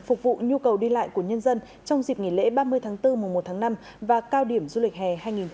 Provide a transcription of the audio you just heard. phục vụ nhu cầu đi lại của nhân dân trong dịp nghỉ lễ ba mươi tháng bốn mùa một tháng năm và cao điểm du lịch hè hai nghìn hai mươi bốn